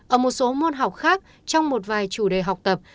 ở một số môn học khác trong một vài chủ đề học tập